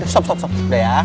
stop stop stop udah ya